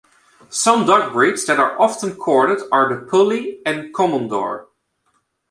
Some dog breeds that are often corded are the Puli and the Komondor.